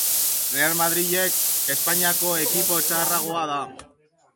Hamaika gol sartuta, hurrengo denboraldirako Real Madrilek berreskuratu zuen.